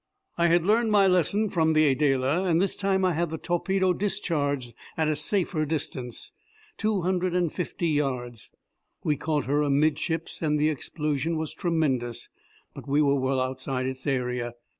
I had learned my lesson from the Adela, and this time I had the torpedo discharged at a safer distance two hundred and fifty yards. We caught her amidships and the explosion was tremendous, but we were well outside its area.